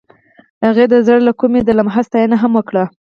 هغې د زړه له کومې د لمحه ستاینه هم وکړه.